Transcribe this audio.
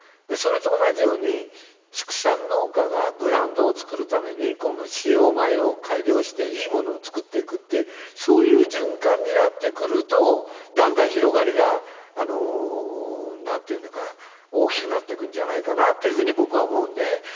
でそれと同じように畜産農家がブランドを作るために飼料用米を改良していいものを作っていくってそういう循環になってくるとだんだん広がりが何て言うのか大きくなっていくんじゃないかなっていうふうに僕は思うんで。